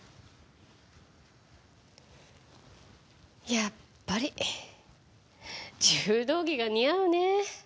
やっぱり柔道着が似合うね。